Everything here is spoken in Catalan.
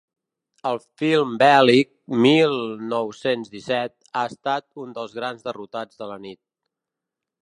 El film bèl·lic mil nou-cents disset ha estat un dels grans derrotats de la nit.